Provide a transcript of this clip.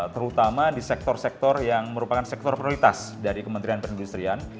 terutama di sektor sektor yang merupakan sektor prioritas dari kementerian perindustrian